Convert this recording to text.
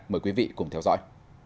mời quý vị cùng theo dõi